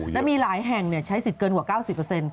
และมีหลายแห่งใช้สิทธิ์เกินกว่า๙๐